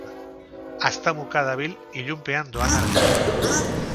Haztamuka dabil, ilunpean doana bezala.